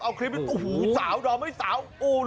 เอาคลิปหู้้สาวเดาไม่สาว